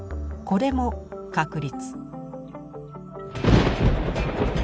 これも確率。